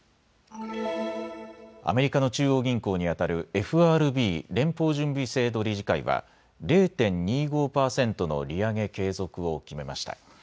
アメリカの中央銀行にあたるＦＲＢ・連邦準備制度理事会は０．２５％の利上げ継続を決めました。